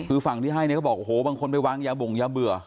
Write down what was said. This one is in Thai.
คือฝั่งที่ให้เนี่ยเขาบอกโอ้โหบางคนไปวางยาบ่งยาเบื่อ